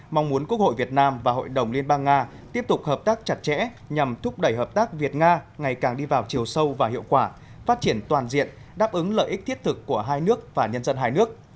mong muốn quốc hội việt nam và hội đồng liên bang nga tiếp tục hợp tác chặt chẽ nhằm thúc đẩy hợp tác việt nga ngày càng đi vào chiều sâu và hiệu quả phát triển toàn diện đáp ứng lợi ích thiết thực của hai nước và nhân dân hai nước